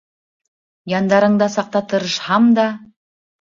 Яндарыңда саҡта тырышһам да